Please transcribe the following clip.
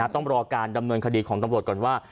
ต้องรอการดำเนินคดีของตำรวจก่อนว่า